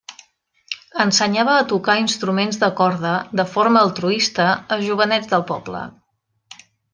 Ensenyava a tocar instruments de corda, de forma altruista, a jovenets del poble.